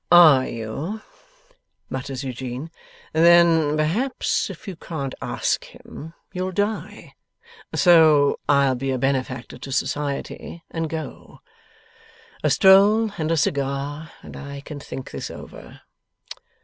'Are you?' mutters Eugene, 'then perhaps if you can't ask him, you'll die. So I'll be a benefactor to society, and go. A stroll and a cigar, and I can think this over.